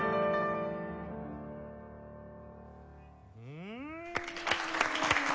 うん！